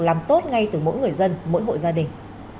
làm tốt ngay từ mỗi người dân mỗi hộ gia đình